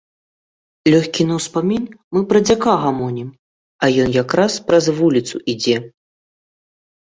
Лёгкі на ўспамін, мы пра дзяка гамонім, а ён якраз праз вуліцу ідзе.